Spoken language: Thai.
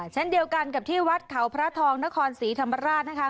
เช่นเดียวกันกับที่วัดเขาพระทองนครศรีธรรมราชนะคะ